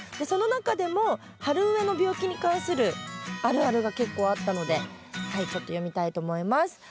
その中でも春植えの病気に関するあるあるが結構あったのでちょっと読みたいと思います。